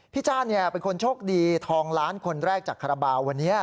จ้านเป็นคนโชคดีทองล้านคนแรกจากคาราบาลวันนี้